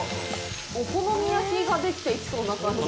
お好み焼きができていきそうな感じ。